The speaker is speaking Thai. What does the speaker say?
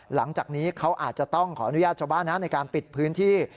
หลังจากนี้เขาอาจจะต้องขออนุญาตชาวบ้านในการปิดพื้นที่